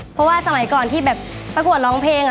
เพราะว่าสมัยก่อนที่แบบประกวดร้องเพลง